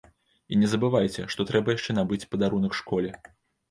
І не забывайце, што трэба яшчэ набыць падарунак школе.